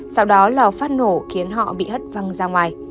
sau đó lò phát nổ khiến họ bị hất văng ra ngoài